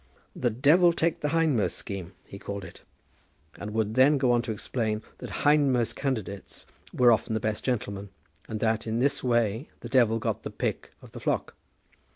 The "Devil take the hindmost" scheme, he called it; and would then go on to explain that hindmost candidates were often the best gentlemen, and that, in this way, the Devil got the pick of the flock.